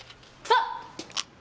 あっ！